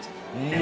え！